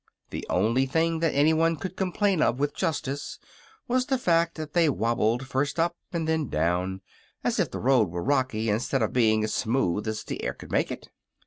The only thing that anyone could complain of with justice was the fact that they wobbled first up and then down, as if the road were rocky instead of being as smooth as the air could make it.